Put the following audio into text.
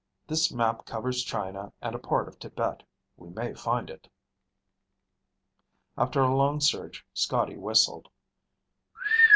This map covers China and a part of Tibet. We may find it." After a long search, Scotty whistled.